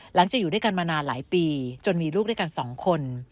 หลังจากอยู่ด้วยกันมานานหลายปีจนมีลูกด้วยกันสองคน